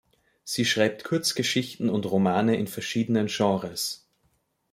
Sie schreibt Kurzgeschichten und Romane in verschiedenen Genres.